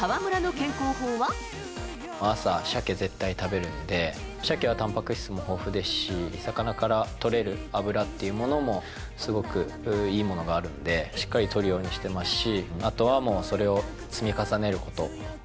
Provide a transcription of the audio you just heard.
朝、シャケ絶対食べるんで、シャケはたんぱく質も豊富ですし、魚からとれる油っていうものも、すごくいいものがあるんで、しっかりとるようにしてますし、あとはもうそれを積み重ねること。